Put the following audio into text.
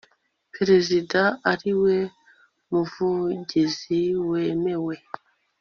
peresida ari we muvugizi wemewe